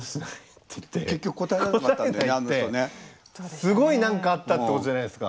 すごい何かあったってことじゃないですか